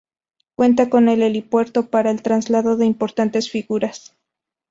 Cuenta con un helipuerto para el traslado de importantes figuras.